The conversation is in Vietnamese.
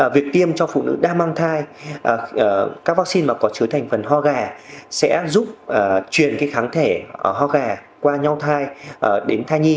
việc tiêm cho phụ nữ đang mang thai các vaccine mà có chứa thành phần ho gà sẽ giúp truyền cái kháng thể ho gà qua nhau thai đến thai nhi